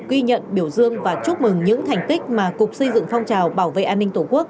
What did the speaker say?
ghi nhận biểu dương và chúc mừng những thành tích mà cục xây dựng phong trào bảo vệ an ninh tổ quốc